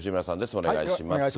お願いします。